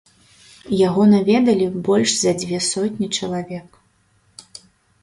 Яго наведалі больш за дзве сотні чалавек.